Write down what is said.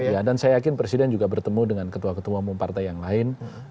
ya dan saya yakin presiden juga bertemu dengan ketua ketua umum partai yang lain